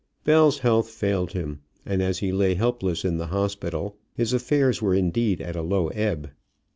Bell's health failed him, and as he lay helpless in the hospital his affairs were indeed at a low ebb.